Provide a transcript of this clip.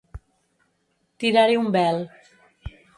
Tirar-hi un vel.